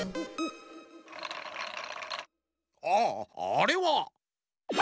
ああれは。